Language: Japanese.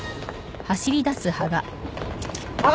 あっ。